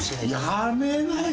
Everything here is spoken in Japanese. やめなよ。